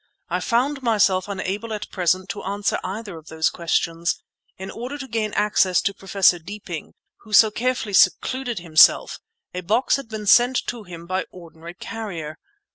I found myself unable, at present, to answer either of those questions. In order to gain access to Professor Deeping, who so carefully secluded himself, a box had been sent to him by ordinary carrier.